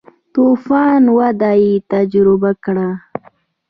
تو فان وده یې تجربه کړه.